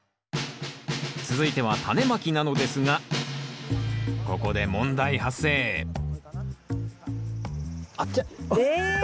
続いてはタネまきなのですがここで問題発生え？